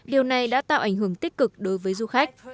điều này đã tạo ảnh hưởng tích cực đối với du khách